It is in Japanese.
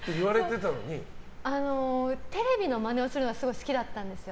テレビのマネをするのはすごい好きだったんですよ。